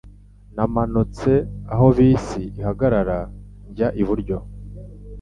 Namanutse aho bisi ihagarara njya iburyo.